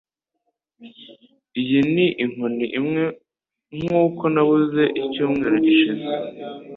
Iyi ni ikooni imwe nkuko nabuze icyumweru gishize.